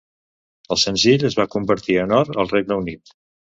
El senzill es va convertir en Or al Regne Unit.